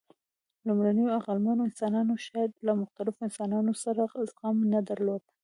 لومړنیو عقلمنو انسانانو شاید له مختلفو انسانانو سره زغم نه درلود.